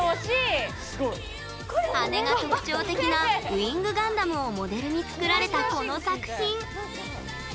羽が特徴的なウイングガンダムをモデルに作られた、この作品。